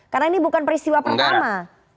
karena ini bukan peristiwa pertama